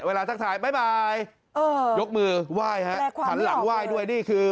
เวลาทักทายบ๊ายบายเออยกมือไหว้ฮะและขวานหลังไหว้ด้วยนี่คือ